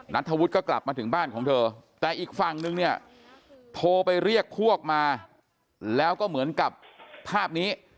นัทธวุฒิก็กลับมาถึงบ้านของเธอแต่อีกฝั่งนึงเนี่ยโทรไปเรียกพวกมาแล้วก็เหมือนกับภาพนี้